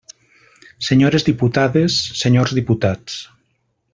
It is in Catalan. Senyores diputades, senyors diputats.